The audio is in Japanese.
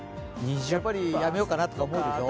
やっぱりやめようかなとか思うでしょ？